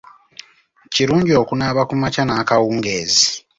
Kirungi okunaaba ku makya n'akawungeezi.